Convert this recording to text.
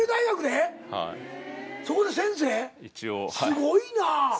すごいな！